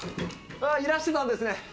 いらしてたんですね！